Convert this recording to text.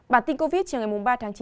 bản tin covid chiều ngày ba tháng chín